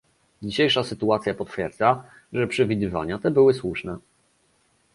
Dzisiejsza sytuacja potwierdza, że przewidywania te były słuszne